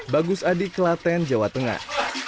bagus adi klaten jawa tengah